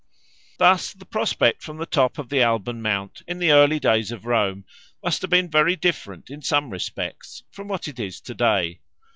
Thus the prospect from the top of the Alban Mount in the early days of Rome must have been very different in some respects from what it is to day.